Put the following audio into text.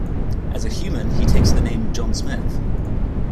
As a human, he takes the name "John Smith".